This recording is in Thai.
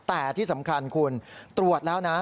แต่ที่สำคัญคุณตรวจแล้วนะ